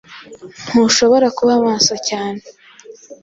Ntushobora kuba maso cyane